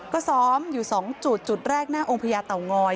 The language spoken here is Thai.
ก็ซ้อมอยู่๒จุดจุดแรกหน้าองค์พญาเต่างอย